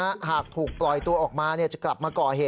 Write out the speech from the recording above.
จะมีปุกปุมาจากมือ